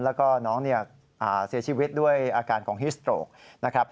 แล้วก็น้องเสียชีวิตด้วยอาการของฮิตโสโตรก